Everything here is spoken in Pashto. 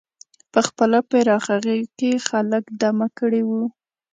په خپله پراخه غېږه کې یې خلک دمه کړي وو.